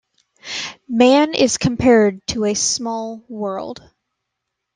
Man is compared to a "small world".